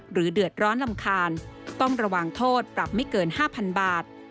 เดือดร้อนรำคาญต้องระวังโทษปรับไม่เกิน๕๐๐๐บาท